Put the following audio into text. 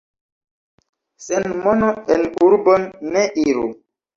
Sen mono en urbon ne iru.